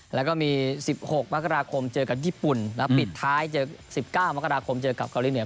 แล้วก็มี๑๖มกราคมเจอกับญี่ปุ่นแล้วปิดท้ายเจอ๑๙มกราคมเจอกับเกาหลีเหนือ